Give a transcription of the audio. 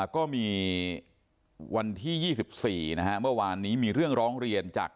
ก็มีวันที่๒๔นะฮะเมื่อวานนี้มีเรื่องร้องเรียนจาก